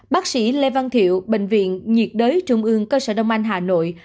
bác sĩ lê văn thiệu bệnh viện nhiệt đới trung ương cơ sở đông anh hà nội